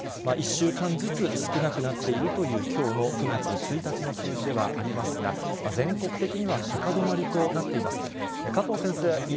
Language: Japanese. １週間ずつ少なくなっているというきょうの９月１日の数字ではありますが、全国的には高止まりとなっています。